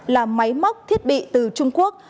làm máy móc thiết bị từ trung quốc